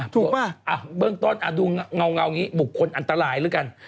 ถูกป้ะอ่ะเบื้องต้นดูเงาบุกคนอันตรายแล้วกัน